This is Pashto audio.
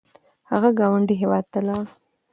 هغه ګاونډي هیواد ته لاړ